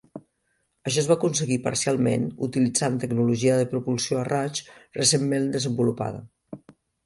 Això es va aconseguir parcialment utilitzant tecnologia de propulsió a raig recentment desenvolupada.